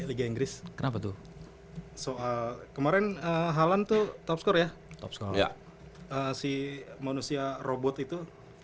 dari liga inggris kenapa tuh soal kemarin halan tuh topscore ya topscore ya si manusia robot itu